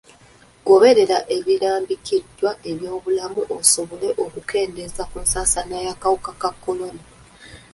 Goberera ebirambikiddwa ab'ebyobulamu osobole okukendeeza ku nsaasaana y'akawuka ka kolona.